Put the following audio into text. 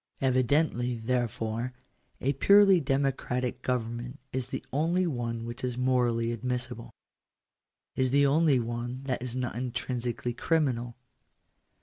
Evidently, therefore, a purely democratic government is the only one which is morally admissible — is the only one that is not intrinsically criminal.